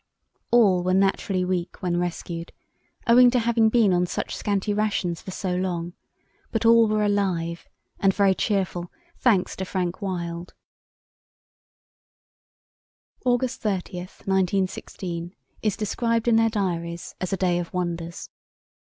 All were naturally weak when rescued, owing to having been on such scanty rations for so long, but all were alive and very cheerful, thanks to Frank Wild. August 30, 1916, is described in their diaries as a "day of wonders."